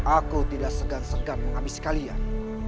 aku tidak segan segan menghabis kalian